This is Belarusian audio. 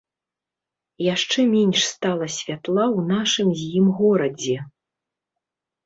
Яшчэ менш стала святла ў нашым з ім горадзе.